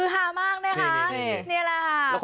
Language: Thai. ฮือฮามากนะครับ